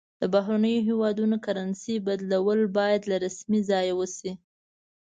د بهرنیو هیوادونو کرنسي بدلول باید له رسمي ځایه وشي.